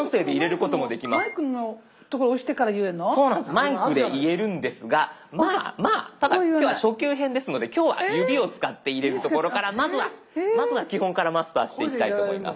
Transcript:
マイクで言えるんですがまあただ今日は初級編ですので今日は指を使って入れるところからまずは基本からマスターしていきたいと思います。